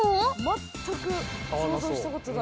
全く想像したことない。